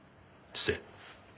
失礼。